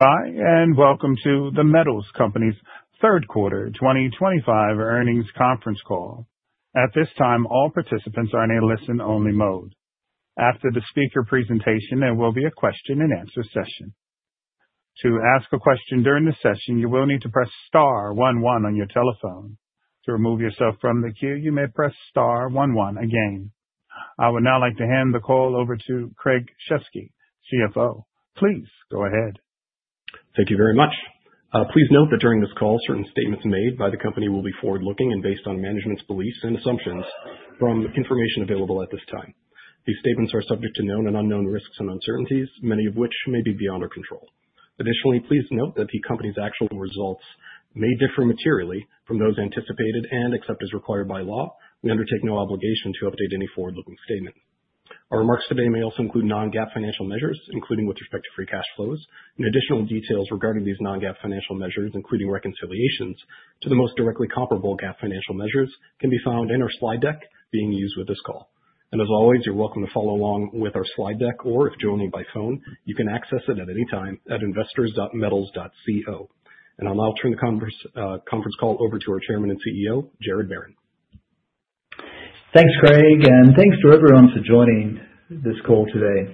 Hi, and welcome to The Metals Company's third quarter 2025 earnings conference call. At this time, all participants are in a listen-only mode. After the speaker presentation, there will be a question-and-answer session. To ask a question during the session, you will need to press star one one on your telephone. To remove yourself from the queue, you may press star one one again. I would now like to hand the call over to Craig Shesky, CFO. Please go ahead. Thank you very much. Please note that during this call, certain statements made by the company will be forward-looking and based on management's beliefs and assumptions from information available at this time. These statements are subject to known and unknown risks and uncertainties, many of which may be beyond our control. Additionally, please note that the company's actual results may differ materially from those anticipated and, except as required by law, we undertake no obligation to update any forward-looking statement. Our remarks today may also include non-GAAP financial measures, including with respect to free cash flows. Additional details regarding these non-GAAP financial measures, including reconciliations to the most directly comparable GAAP financial measures, can be found in our slide deck being used with this call. As always, you're welcome to follow along with our slide deck, or if joining by phone, you can access it at any time at investor.metals.co. I'll now turn the conference call over to our Chairman and CEO, Gerard Barron. Thanks, Craig, and thanks to everyone for joining this call today.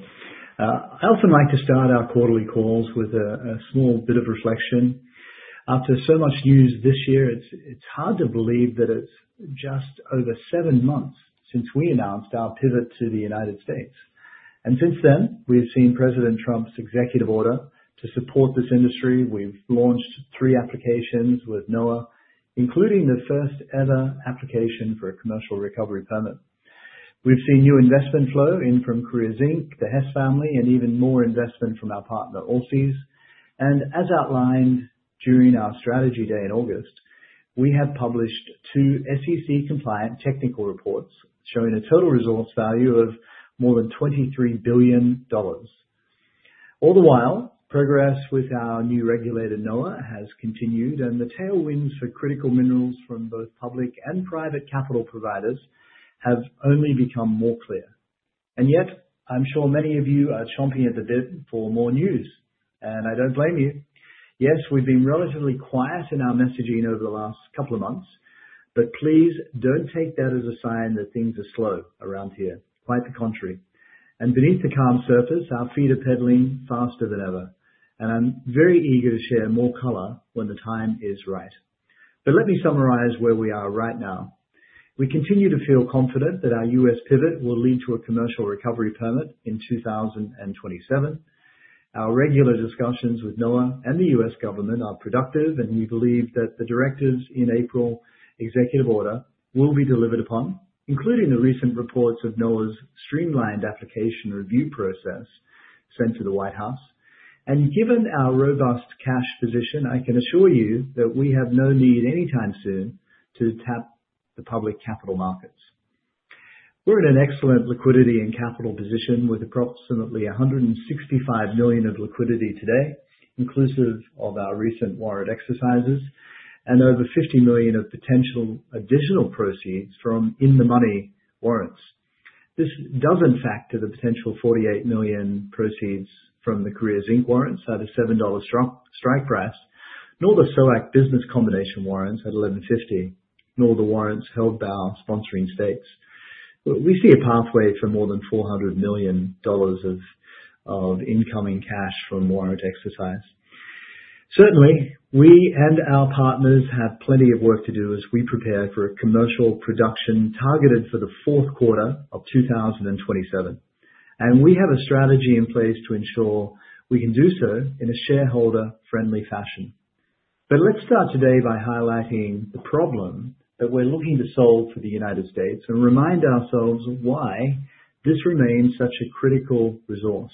I also like to start our quarterly calls with a small bit of reflection. After so much news this year, it's hard to believe that it's just over seven months since we announced our pivot to the United States. Since then, we've seen President Trump's executive order to support this industry. We've launched three applications with NOAA, including the first-ever application for a commercial recovery permit. We've seen new investment flow in from Korea Zinc, the Hess family, and even more investment from our partner, Allseas. As outlined during our strategy day in August, we have published two SEC-compliant technical reports showing a total resource value of more than $23 billion. All the while, progress with our new regulator, NOAA, has continued, and the tailwinds for critical minerals from both public and private capital providers have only become more clear. Yet, I'm sure many of you are chomping at the bit for more news, and I don't blame you. Yes, we've been relatively quiet in our messaging over the last couple of months, but please don't take that as a sign that things are slow around here. Quite the contrary. Beneath the calm surface, our feet are pedaling faster than ever, and I'm very eager to share more color when the time is right. Let me summarize where we are right now. We continue to feel confident that our U.S. pivot will lead to a commercial recovery permit in 2027. Our regular discussions with NOAA and the U.S. Government are productive, and we believe that the directives in April's executive order will be delivered upon, including the recent reports of NOAA's streamlined application review process sent to the White House. Given our robust cash position, I can assure you that we have no need anytime soon to tap the public capital markets. We're in an excellent liquidity and capital position with approximately $165 million of liquidity today, inclusive of our recent warrant exercises, and over $50 million of potential additional proceeds from in-the-money warrants. This does not factor the potential $48 million proceeds from the Korea Zinc warrants at a $7 strike price, nor the SOAC business combination warrants at $11.50, nor the warrants held by our sponsoring states. We see a pathway for more than $400 million of incoming cash from warrant exercise. Certainly, we and our partners have plenty of work to do as we prepare for a commercial production targeted for the fourth quarter of 2027. We have a strategy in place to ensure we can do so in a shareholder-friendly fashion. Let's start today by highlighting the problem that we're looking to solve for the United States and remind ourselves why this remains such a critical resource.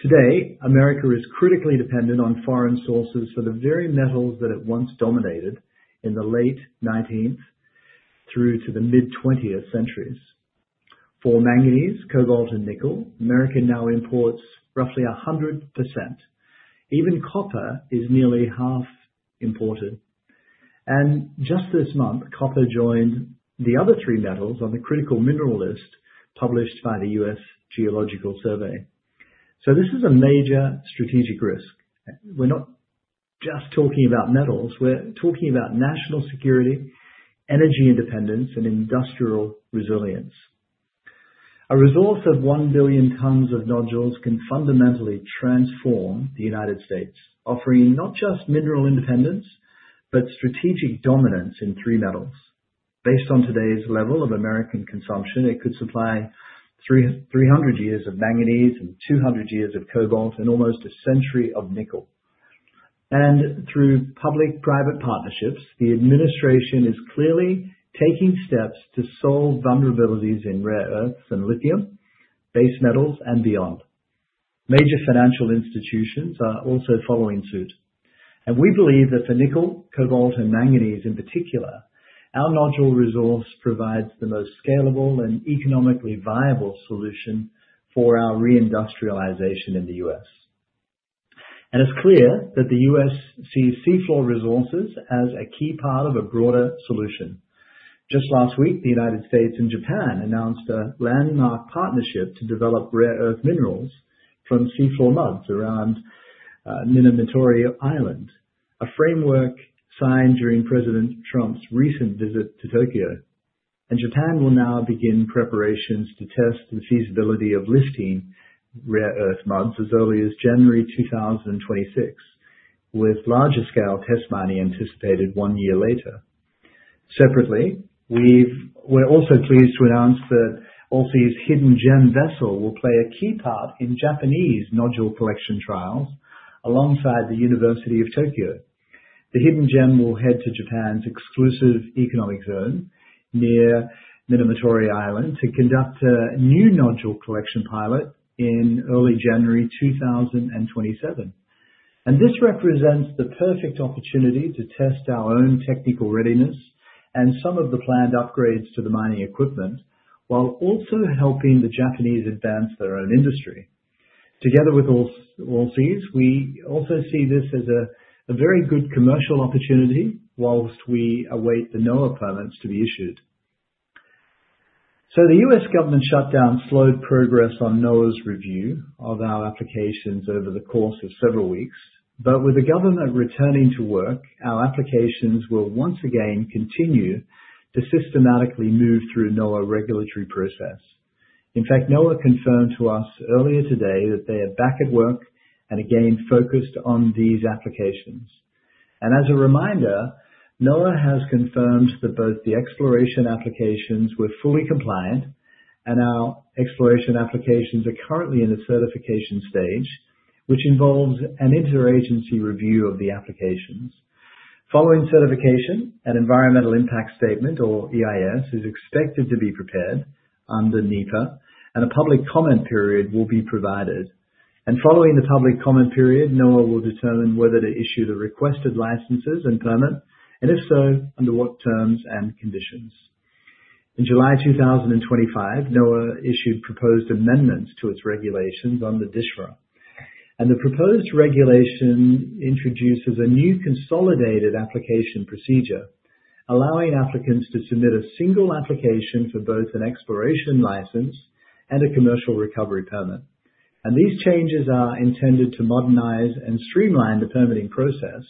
Today, America is critically dependent on foreign sources for the very metals that it once dominated in the late 19th through to the mid-20th centuries. For manganese, cobalt, and nickel, America now imports roughly 100%. Even copper is nearly half imported. Just this month, copper joined the other three metals on the critical mineral list published by the U.S. Geological Survey. This is a major strategic risk. We're not just talking about metals. We're talking about national security, energy independence, and industrial resilience. A resource of one billion tons of nodules can fundamentally transform the United States, offering not just mineral independence, but strategic dominance in three metals. Based on today's level of American consumption, it could supply 300 years of manganese and 200 years of cobalt and almost a century of nickel. Through public-private partnerships, the administration is clearly taking steps to solve vulnerabilities in rare earths and lithium, base metals, and beyond. Major financial institutions are also following suit. We believe that for nickel, cobalt, and manganese in particular, our nodule resource provides the most scalable and economically viable solution for our reindustrialization in the U.S. It is clear that the U.S. sees seafloor resources as a key part of a broader solution. Just last week, the United States and Japan announced a landmark partnership to develop rare earth minerals from seafloor muds around Minamitoria Island, a framework signed during President Trump's recent visit to Tokyo. Japan will now begin preparations to test the feasibility of listing rare earth muds as early as January 2026, with larger-scale test mining anticipated one year later. Separately, we're also pleased to announce that Allseas' Hidden Gem vessel will play a key part in Japanese nodule collection trials alongside the University of Tokyo. The Hidden Gem will head to Japan's exclusive economic zone near Minamitoria Island to conduct a new nodule collection pilot in early January 2027. This represents the perfect opportunity to test our own technical readiness and some of the planned upgrades to the mining equipment while also helping the Japanese advance their own industry. Together with Allseas, we also see this as a very good commercial opportunity whilst we await the NOAA permits to be issued. The U.S. government shutdown slowed progress on NOAA's review of our applications over the course of several weeks. With the government returning to work, our applications will once again continue to systematically move through the NOAA regulatory process. In fact, NOAA confirmed to us earlier today that they are back at work and again focused on these applications. As a reminder, NOAA has confirmed that both the exploration applications were fully compliant, and our exploration applications are currently in the certification stage, which involves an interagency review of the applications. Following certification, an environmental impact statement, or EIS, is expected to be prepared under NEPA, and a public comment period will be provided. Following the public comment period, NOAA will determine whether to issue the requested licenses and permit, and if so, under what terms and conditions. In July 2025, NOAA issued proposed amendments to its regulations under DSHMRA. The proposed regulation introduces a new consolidated application procedure, allowing applicants to submit a single application for both an exploration license and a commercial recovery permit. These changes are intended to modernize and streamline the permitting process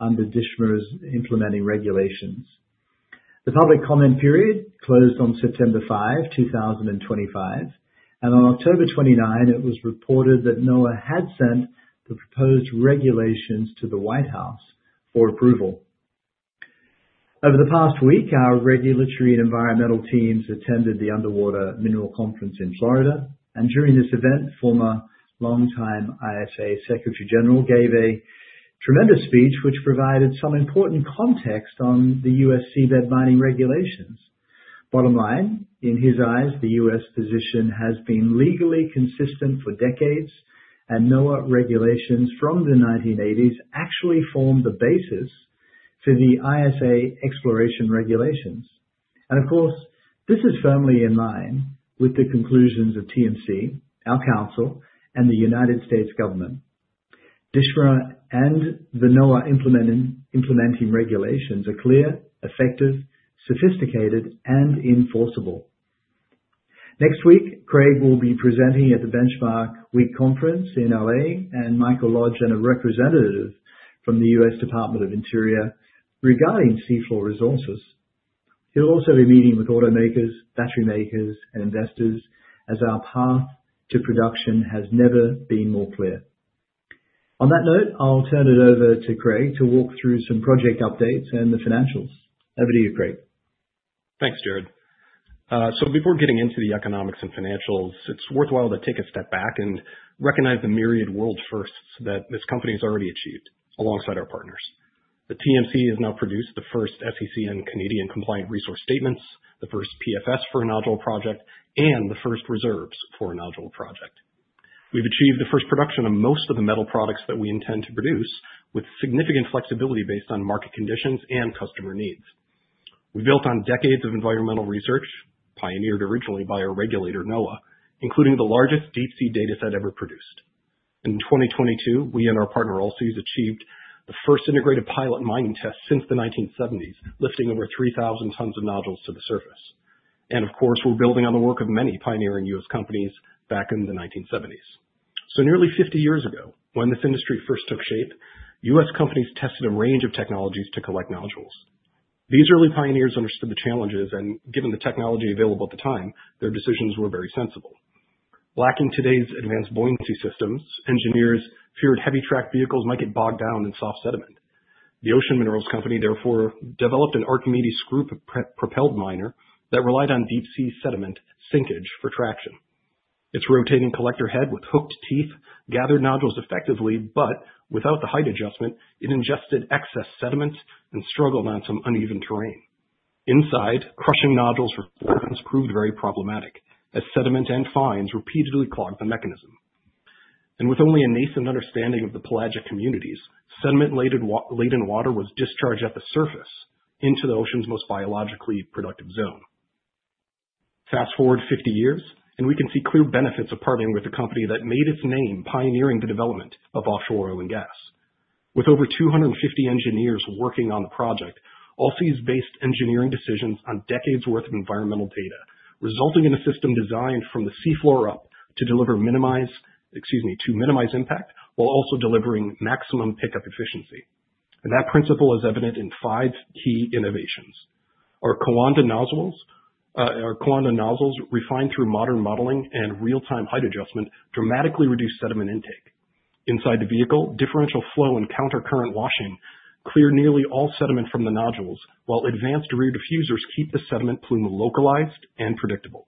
under DSHMRA's implementing regulations. The public comment period closed on September 5, 2025, and on October 29, it was reported that NOAA had sent the proposed regulations to the White House for approval. Over the past week, our regulatory and environmental teams attended the Underwater Mineral Conference in Florida. During this event, former longtime ISA Secretary General gave a tremendous speech, which provided some important context on the U.S. seabed mining regulations. Bottom line, in his eyes, the U.S. position has been legally consistent for decades, and NOAA regulations from the 1980s actually form the basis for the ISA exploration regulations. Of course, this is firmly in line with the conclusions of TMC, our counsel, and the United States government. DSHMRA and the NOAA implementing regulations are clear, effective, sophisticated, and enforceable. Next week, Craig will be presenting at the Benchmark Week conference in Los Angeles, and Michael Lodge and a representative from the U.S. Department of Interior regarding seafloor resources. He'll also be meeting with automakers, battery makers, and investors as our path to production has never been more clear. On that note, I'll turn it over to Craig to walk through some project updates and the financials. Over to you, Craig. Thanks, Gerard. Before getting into the economics and financials, it's worthwhile to take a step back and recognize the myriad world firsts that this company has already achieved alongside our partners. TMC has now produced the first SEC and Canadian compliant resource statements, the first PFS for a nodule project, and the first reserves for a nodule project. We've achieved the first production of most of the metal products that we intend to produce with significant flexibility based on market conditions and customer needs. We built on decades of environmental research, pioneered originally by our regulator, NOAA, including the largest deep-sea dataset ever produced. In 2022, we and our partner, Allseas, achieved the first integrated pilot mining test since the 1970s, lifting over 3,000 tons of nodules to the surface. Of course, we're building on the work of many pioneering U.S. companies back in the 1970s. Nearly 50 years ago, when this industry first took shape, U.S. companies tested a range of technologies to collect nodules. These early pioneers understood the challenges, and given the technology available at the time, their decisions were very sensible. Lacking today's advanced buoyancy systems, engineers feared heavy track vehicles might get bogged down in soft sediment. The Ocean Minerals Company, therefore, developed an Archimedes group propelled miner that relied on deep-sea sediment sinkage for traction. Its rotating collector head with hooked teeth gathered nodules effectively, but without the height adjustment, it ingested excess sediment and struggled on some uneven terrain. Inside, crushing nodules for performance proved very problematic, as sediment and fines repeatedly clogged the mechanism. With only a nascent understanding of the pelagic communities, sediment-laden water was discharged at the surface into the ocean's most biologically productive zone. Fast forward 50 years, and we can see clear benefits of partnering with a company that made its name pioneering the development of offshore oil and gas. With over 250 engineers working on the project, Allseas based engineering decisions on decades' worth of environmental data, resulting in a system designed from the seafloor up to minimize impact while also delivering maximum pickup efficiency. That principle is evident in five key innovations. Our Kowanda nozzles, refined through modern modeling and real-time height adjustment, dramatically reduce sediment intake. Inside the vehicle, differential flow and countercurrent washing clear nearly all sediment from the nodules, while advanced rear diffusers keep the sediment plume localized and predictable.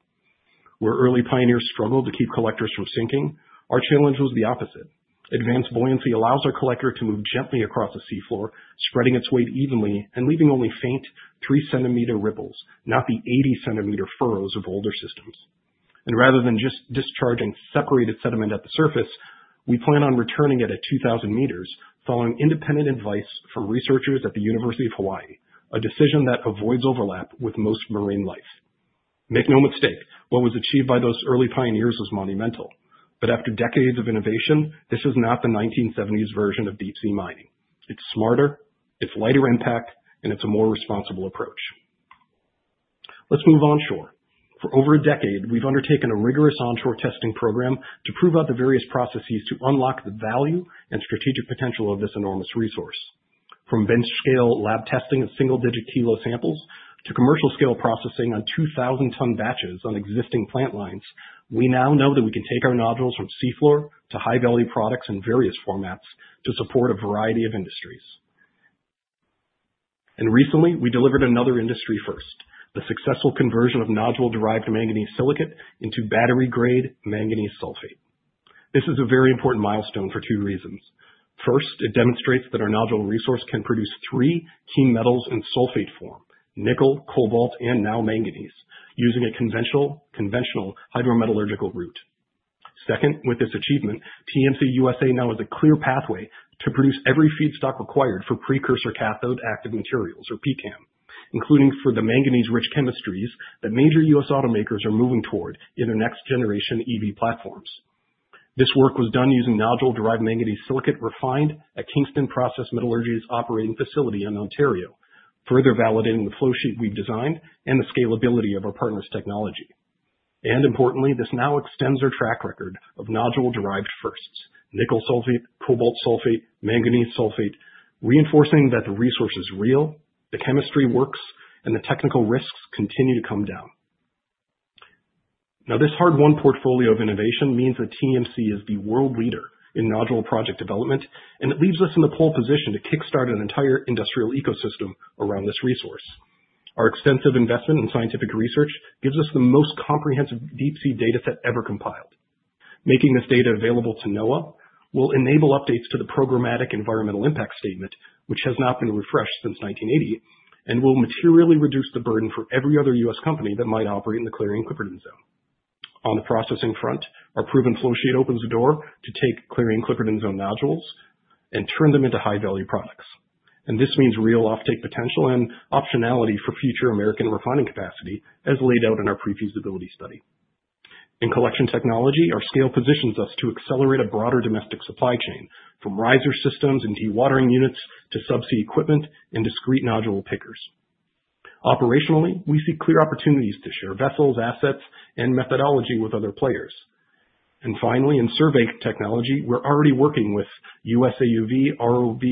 Where early pioneers struggled to keep collectors from sinking, our challenge was the opposite. Advanced buoyancy allows our collector to move gently across the seafloor, spreading its weight evenly and leaving only faint 3-centimeter ripples, not the 80-centimeter furrows of older systems. Rather than just discharging separated sediment at the surface, we plan on returning it at 2,000 meters following independent advice from researchers at the University of Hawaii, a decision that avoids overlap with most marine life. Make no mistake, what was achieved by those early pioneers was monumental. After decades of innovation, this is not the 1970s version of deep-sea mining. It's smarter, it's lighter impact, and it's a more responsible approach. Let's move onshore. For over a decade, we've undertaken a rigorous onshore testing program to prove out the various processes to unlock the value and strategic potential of this enormous resource. From bench-scale lab testing of single-digit kilo samples to commercial-scale processing on 2,000-ton batches on existing plant lines, we now know that we can take our nodules from seafloor to high-value products in various formats to support a variety of industries. Recently, we delivered another industry first, the successful conversion of nodule-derived manganese silicate into battery-grade manganese sulfate. This is a very important milestone for two reasons. First, it demonstrates that our nodule resource can produce three key metals in sulfate form, nickel, cobalt, and now manganese, using a conventional hydrometallurgical route. Second, with this achievement, TMC USA now has a clear pathway to produce every feedstock required for precursor cathode active materials, or pCAM, including for the manganese-rich chemistries that major U.S. automakers are moving toward in their next-generation EV platforms. This work was done using nodule-derived manganese silicate refined at Kingston Process Metallurgies operating facility in Ontario, further validating the flowsheet we've designed and the scalability of our partner's technology. Importantly, this now extends our track record of nodule-derived firsts, nickel sulfate, cobalt sulfate, manganese sulfate, reinforcing that the resource is real, the chemistry works, and the technical risks continue to come down. This hard-won portfolio of innovation means that TMC is the world leader in nodule project development, and it leaves us in the pole position to kickstart an entire industrial ecosystem around this resource. Our extensive investment in scientific research gives us the most comprehensive deep-sea dataset ever compiled. Making this data available to NOAA will enable updates to the programmatic environmental impact statement, which has not been refreshed since 1980, and will materially reduce the burden for every other U.S. company that might operate in the Clarion-Clipperton Zone. On the processing front, our proven flowsheet opens the door to take Clarion-Clipperton Zone nodules and turn them into high-value products. This means real offtake potential and optionality for future American refining capacity, as laid out in our pre-feasibility study. In collection technology, our scale positions us to accelerate a broader domestic supply chain, from riser systems and dewatering units to subsea equipment and discrete nodule pickers. Operationally, we see clear opportunities to share vessels, assets, and methodology with other players. Finally, in survey technology, we are already working with U.S. AUV, ROV,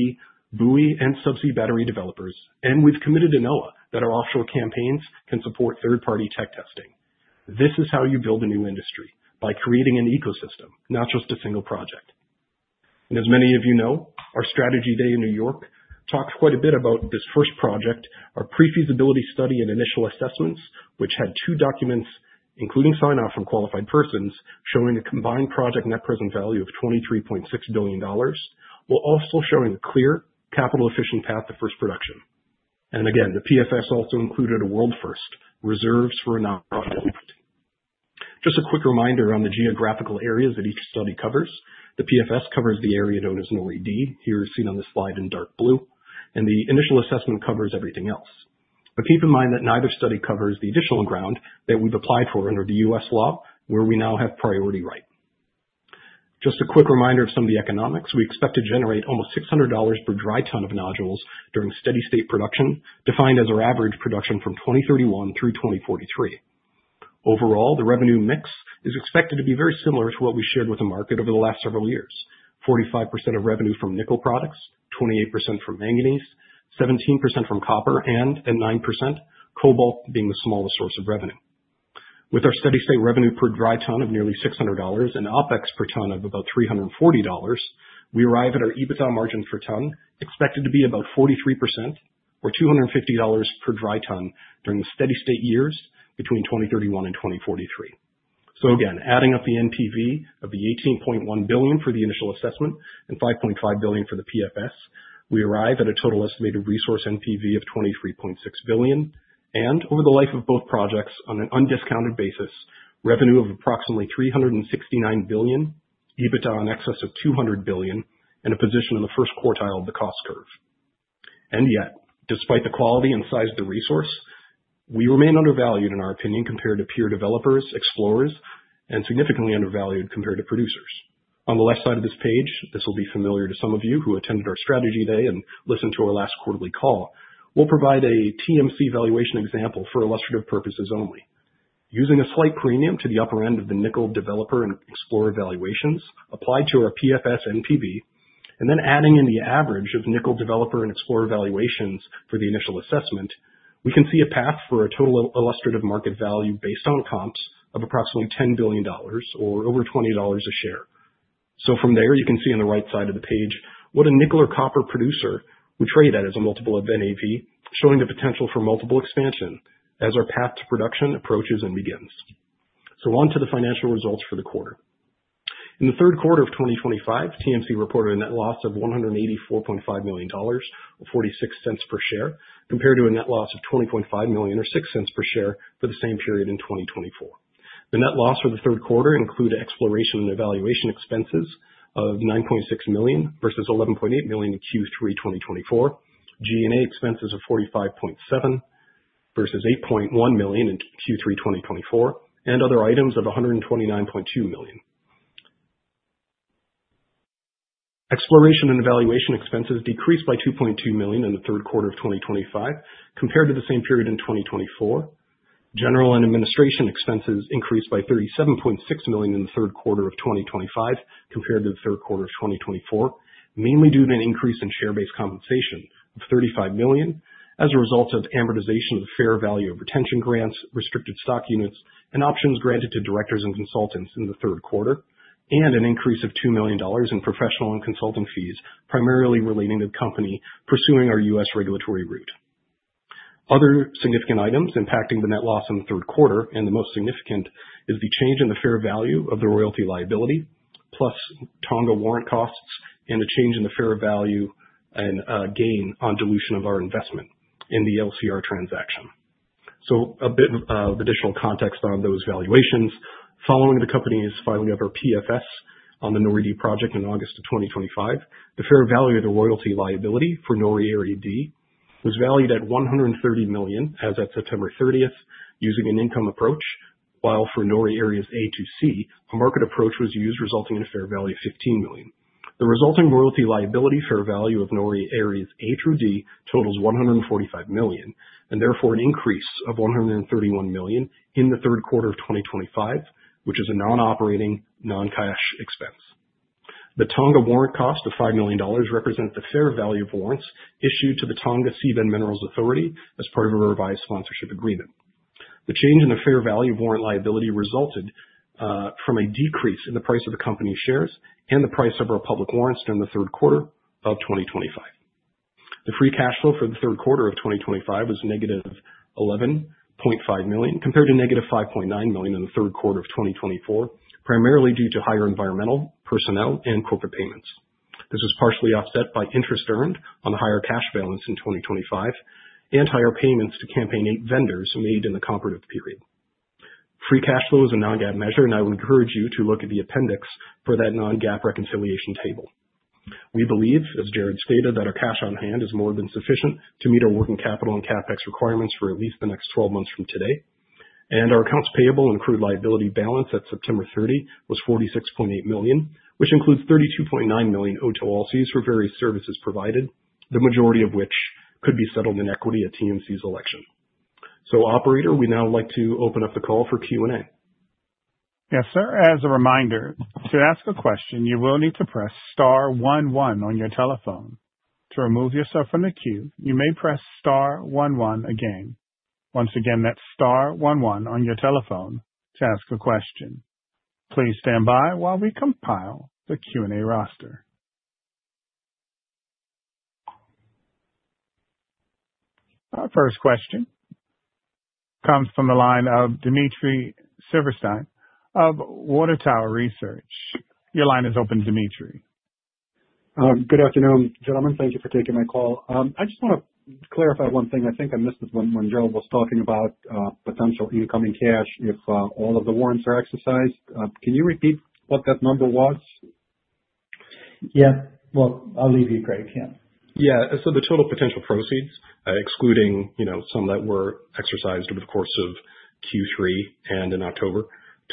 buoy, and subsea battery developers, and we have committed to NOAA that our offshore campaigns can support third-party tech testing. This is how you build a new industry, by creating an ecosystem, not just a single project. As many of you know, our strategy day in New York talked quite a bit about this first project, our pre-feasibility study and initial assessments, which had two documents, including sign-off from qualified persons, showing a combined project net present value of $23.6 billion, while also showing a clear, capital-efficient path to first production. Again, the PFS also included a world first, reserves for a nodule project. Just a quick reminder on the geographical areas that each study covers. The PFS covers the area known as NORI-D, here seen on the slide in dark blue, and the initial assessment covers everything else. Keep in mind that neither study covers the additional ground that we've applied for under the U.S. law, where we now have priority right. Just a quick reminder of some of the economics. We expect to generate almost $600 per dry ton of nodules during steady-state production, defined as our average production from 2031 through 2043. Overall, the revenue mix is expected to be very similar to what we shared with the market over the last several years, 45% of revenue from nickel products, 28% from manganese, 17% from copper, and 9%, cobalt being the smallest source of revenue. With our steady-state revenue per dry ton of nearly $600 and OpEx per ton of about $340, we arrive at our EBITDA margin per ton expected to be about 43%, or $250 per dry ton during the steady-state years between 2031 and 2043. Again, adding up the NPV of the $18.1 billion for the initial assessment and $5.5 billion for the PFS, we arrive at a total estimated resource NPV of $23.6 billion. Over the life of both projects, on an undiscounted basis, revenue of approximately $369 billion, EBITDA in excess of $200 billion, and a position in the first quartile of the cost curve. Yet, despite the quality and size of the resource, we remain undervalued in our opinion compared to peer developers, explorers, and significantly undervalued compared to producers. On the left side of this page, this will be familiar to some of you who attended our strategy day and listened to our last quarterly call, we'll provide a TMC valuation example for illustrative purposes only. Using a slight premium to the upper end of the nickel developer and explorer valuations applied to our PFS NPV, and then adding in the average of nickel developer and explorer valuations for the initial assessment, we can see a path for a total illustrative market value based on comps of approximately $10 billion, or over $20 a share. From there, you can see on the right side of the page what a nickel or copper producer would trade at as a multiple of NAV, showing the potential for multiple expansion as our path to production approaches and begins. On to the financial results for the quarter. In the third quarter of 2025, TMC reported a net loss of $184.5 million, or $0.46 per share, compared to a net loss of $20.5 million, or $0.06 per share for the same period in 2024. The net loss for the third quarter included exploration and evaluation expenses of $9.6 million versus $11.8 million in Q3 2024, G&A expenses of $45.7 million versus $8.1 million in Q3 2024, and other items of $129.2 million. Exploration and evaluation expenses decreased by $2.2 million in the third quarter of 2025 compared to the same period in 2024. General and administration expenses increased by $37.6 million in the third quarter of 2025 compared to the third quarter of 2024, mainly due to an increase in share-based compensation of $35 million as a result of amortization of the fair value of retention grants, restricted stock units, and options granted to directors and consultants in the third quarter, and an increase of $2 million in professional and consulting fees, primarily relating to the company pursuing our U.S. regulatory route. Other significant items impacting the net loss in the third quarter, and the most significant, is the change in the fair value of the royalty liability, plus Tonga warrant costs, and a change in the fair value and gain on dilution of our investment in the LCR transaction. A bit of additional context on those valuations. Following the company's filing of our PFS on the NORI-D project in August of 2025, the fair value of the royalty liability for NORI-D was valued at $130 million as of September 30, using an income approach, while for NORI area A to C, a market approach was used, resulting in a fair value of $15 million. The resulting royalty liability fair value of NORI area A through D totals $145 million, and therefore an increase of $131 million in the third quarter of 2025, which is a non-operating, non-cash expense. The Tonga warrant cost of $5 million represents the fair value of warrants issued to the Tonga Seabed Minerals Authority as part of a revised sponsorship agreement. The change in the fair value of warrant liability resulted from a decrease in the price of the company's shares and the price of our public warrants during the third quarter of 2025. The free cash flow for the third quarter of 2025 was -$11.5 million compared to -$5.9 million in the third quarter of 2024, primarily due to higher environmental, personnel, and corporate payments. This was partially offset by interest earned on the higher cash balance in 2025 and higher payments to Campaign 8 vendors made in the comparative period. Free cash flow is a non-GAAP measure, and I would encourage you to look at the appendix for that non-GAAP reconciliation table. We believe, as Gerard stated, that our cash on hand is more than sufficient to meet our working capital and CapEx requirements for at least the next 12 months from today. Our accounts payable and accrued liability balance at September 30 was $46.8 million, which includes $32.9 million owed to Allseas for various services provided, the majority of which could be settled in equity at TMC's election. Operator, we'd now like to open up the call for Q&A. Yes, sir. As a reminder, to ask a question, you will need to press star one one on your telephone. To remove yourself from the queue, you may press star one one again. Once again, that's star 11 on your telephone to ask a question. Please stand by while we compile the Q&A roster. Our first question comes from the line of Dmitry Silverstein of Water Tower Research. Your line is open, Dimitri. Good afternoon, gentlemen. Thank you for taking my call. I just want to clarify one thing. I think I missed this one when Gerard was talking about potential incoming cash if all of the warrants are exercised. Can you repeat what that number was? Yeah. I'll leave you, Craig. Yeah. Yeah. So the total potential proceeds, excluding some that were exercised over the course of Q3 and in October,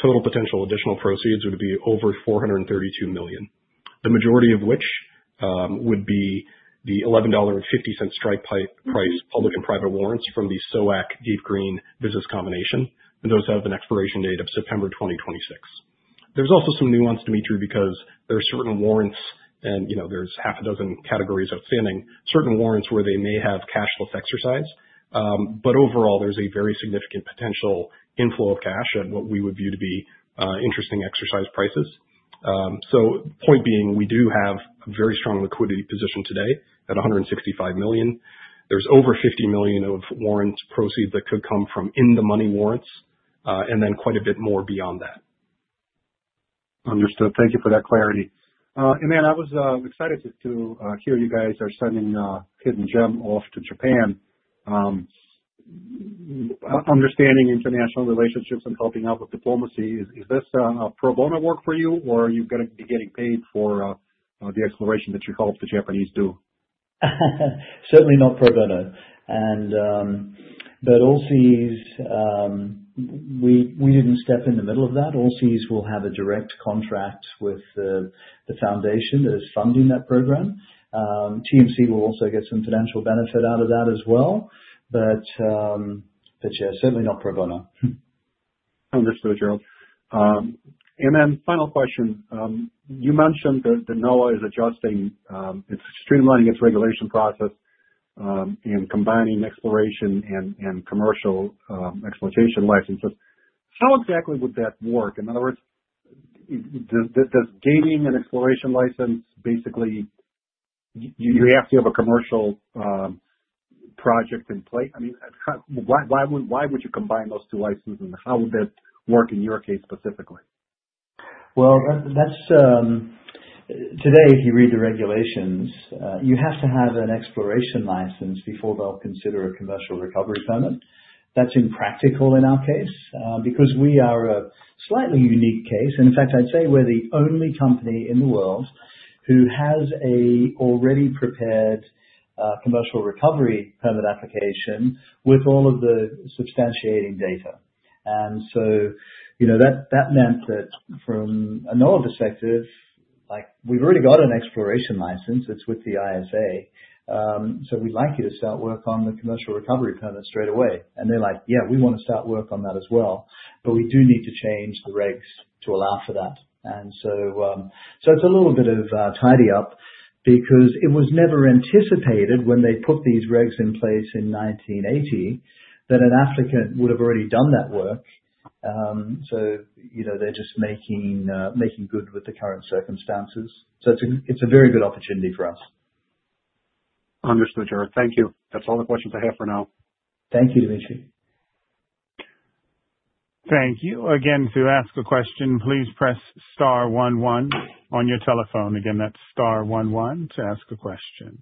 total potential additional proceeds would be over $432 million, the majority of which would be the $11.50 strike price public and private warrants from the SOAC DeepGreen business combination, and those have an expiration date of September 2026. There is also some nuance, Dmitry, because there are certain warrants, and there are half a dozen categories outstanding, certain warrants where they may have cashless exercise. Overall, there is a very significant potential inflow of cash at what we would view to be interesting exercise prices. Point being, we do have a very strong liquidity position today at $165 million. There is over $50 million of warrant proceeds that could come from in-the-money warrants, and then quite a bit more beyond that. Understood. Thank you for that clarity. I was excited to hear you guys are sending Hidden Gem off to Japan. Understanding international relationships and helping out with diplomacy, is this pro bono work for you, or are you going to be getting paid for the exploration that you help the Japanese do? Certainly not pro bono. Allseas, we did not step in the middle of that. Allseas will have a direct contract with the foundation that is funding that program. TMC will also get some financial benefit out of that as well. Certainly not pro bono. Understood, Gerard. Final question. You mentioned that NOAA is adjusting, it's streamlining its regulation process and combining exploration and commercial exploitation licenses. How exactly would that work? In other words, does gaining an exploration license basically mean you have to have a commercial project in place? I mean, why would you combine those two licenses, and how would that work in your case specifically? Today, if you read the regulations, you have to have an exploration license before they'll consider a commercial recovery permit. That's impractical in our case because we are a slightly unique case. In fact, I'd say we're the only company in the world who has an already prepared commercial recovery permit application with all of the substantiating data. That meant that from a NOAA perspective, we've already got an exploration license. It's with the ISA. We'd like you to start work on the commercial recovery permit straight away. They're like, "Yeah, we want to start work on that as well." We do need to change the regs to allow for that. It's a little bit of tidy up because it was never anticipated when they put these regs in place in 1980 that an applicant would have already done that work. They're just making good with the current circumstances. So it's a very good opportunity for us. Understood, Gerard. Thank you. That's all the questions I have for now. Thank you, Dmitry. Thank you. Again, to ask a question, please press star one one on your telephone. Again, that's star one one to ask a question.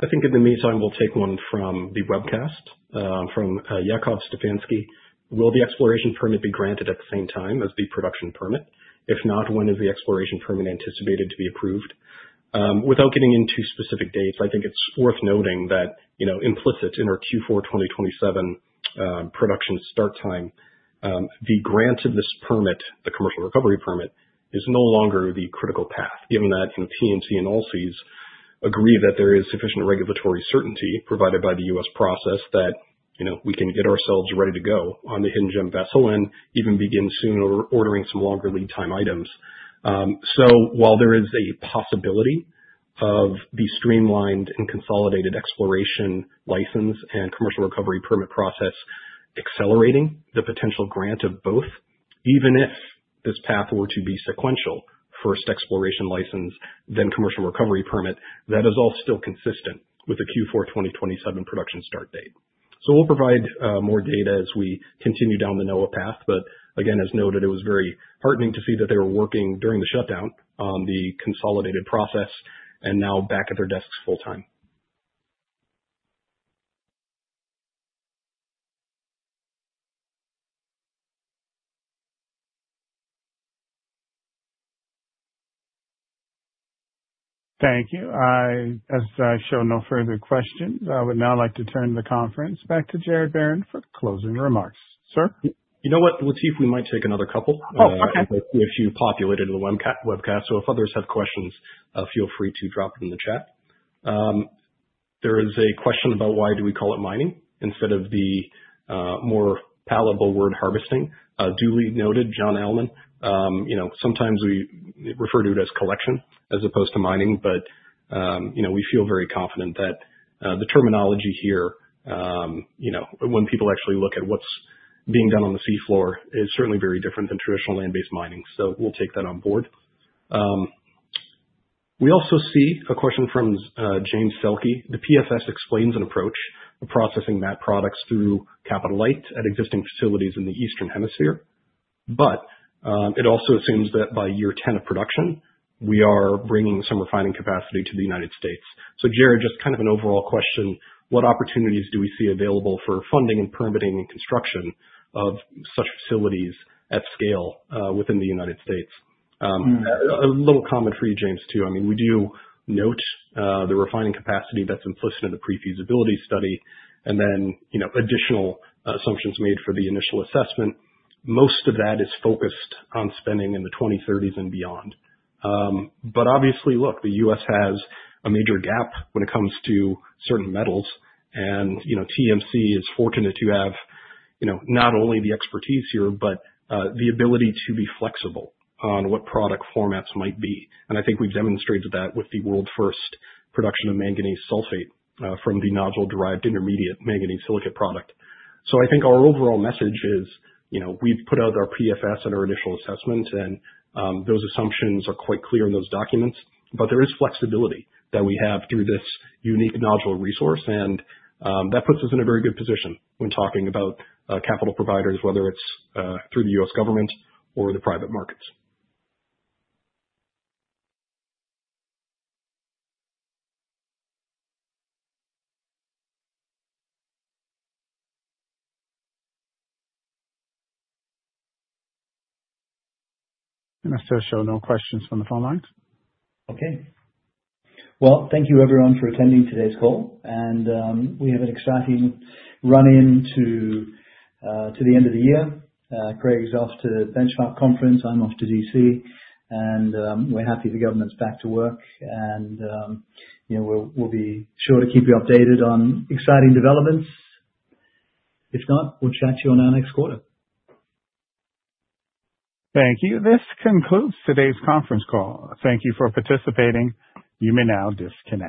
I think in the meantime, we'll take one from the webcast from Yaakov Stefanski: "Will the exploration permit be granted at the same time as the production permit? If not, when is the exploration permit anticipated to be approved?" Without getting into specific dates, I think it's worth noting that implicit in our Q4 2027 production start time, the grant of this permit, the commercial recovery permit, is no longer the critical path, given that TMC and Allseas agree that there is sufficient regulatory certainty provided by the U.S. process that we can get ourselves ready to go on the Hidden Gem vessel and even begin soon ordering some longer lead time items. While there is a possibility of the streamlined and consolidated exploration license and commercial recovery permit process accelerating the potential grant of both, even if this path were to be sequential, first exploration license, then commercial recovery permit, that is all still consistent with the Q4 2027 production start date. We will provide more data as we continue down the NOAA path. Again, as noted, it was very heartening to see that they were working during the shutdown on the consolidated process and now back at their desks full-time. Thank you. As I show no further questions, I would now like to turn the conference back to Gerard Barron for closing remarks. Sir. You know what? Let's see if we might take another couple. Oh, okay. A few populated in the webcast. If others have questions, feel free to drop them in the chat. There is a question about why do we call it mining instead of the more palatable word harvesting. Duly noted, John Allman. Sometimes we refer to it as collection as opposed to mining, but we feel very confident that the terminology here, when people actually look at what's being done on the seafloor, is certainly very different than traditional land-based mining. We will take that on board. We also see a question from James Selke. "The PFS explains an approach of processing MAP products through Capital Light at existing facilities in the Eastern Hemisphere. But it also assumes that by year 10 of production, we are bringing some refining capacity to the United States. Gerard, just kind of an overall question, what opportunities do we see available for funding and permitting and construction of such facilities at scale within the United States? A little comment for you, James, too. I mean, we do note the refining capacity that's implicit in the pre-feasibility study, and then additional assumptions made for the initial assessment. Most of that is focused on spending in the 2030s and beyond. Obviously, the U.S. has a major gap when it comes to certain metals. TMC is fortunate to have not only the expertise here, but the ability to be flexible on what product formats might be. I think we've demonstrated that with the world's first production of manganese sulfate from the nodule-derived intermediate manganese silicate product. I think our overall message is we've put out our PFS and our initial assessments, and those assumptions are quite clear in those documents. There is flexibility that we have through this unique nodule resource, and that puts us in a very good position when talking about capital providers, whether it's through the U.S. government or the private markets. If there are no questions from the phone lines. Thank you, everyone, for attending today's call. We have an exciting run-in to the end of the year. Craig's off to the Benchmark conference. I'm off to DC. We're happy the government's back to work. We'll be sure to keep you updated on exciting developments. If not, we'll chat to you on our next quarter. Thank you. This concludes today's conference call. Thank you for participating. You may now disconnect.